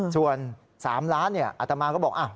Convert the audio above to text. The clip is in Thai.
ส่วน๓ล้านอัตมาก็บอก